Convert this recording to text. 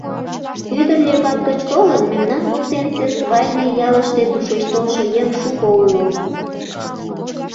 — Ӱдыр Лебак гыч толын, мемнан воктенсе свайный ялыште тушеч толшо еҥ шуко уло.